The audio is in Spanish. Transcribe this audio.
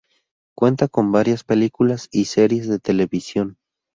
Cuenta con varias películas y series de televisión.